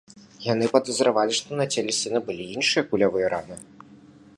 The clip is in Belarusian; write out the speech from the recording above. Яны падазравалі, што на целе сына былі іншыя кулявыя раненні.